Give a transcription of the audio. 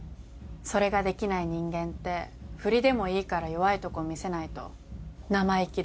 それができない人間って振りでもいいから弱いとこ見せないと生意気だ